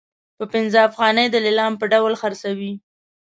په پنځه افغانۍ د لیلام په ډول خرڅوي.